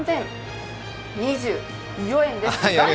３０２４円です。